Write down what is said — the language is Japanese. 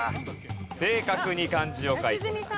正確に漢字を書いてください。